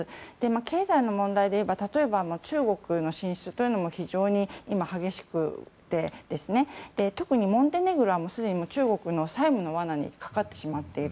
経済の問題でいえば例えば中国の進出というのも非常に今、激しくて特にモンテネグロはすでに中国の債務の罠にかかってしまっている。